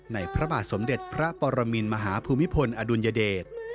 พระบาทสมเด็จพระปรมินมหาภูมิพลอดุลยเดช